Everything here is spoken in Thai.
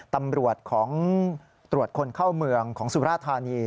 ตำรวจของตรวจคนเข้าเมืองของสุราธานี